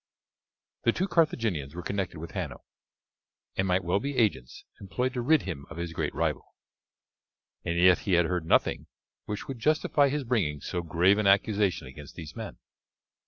The two Carthaginians were connected with Hanno, and might well be agents employed to rid him of his great rival. And yet he had heard nothing which would justify his bringing so grave an accusation against these men.